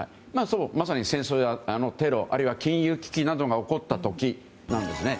まさに戦争やテロあるいは金融危機などが起こった時なんです。